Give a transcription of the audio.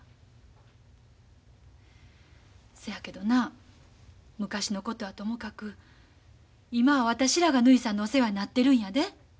そやけどな昔のことはともかく今は私らがぬひさんにお世話になってるんやで。